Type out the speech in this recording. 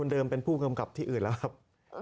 เดิมเป็นผู้กำกับที่อื่นแล้วครับ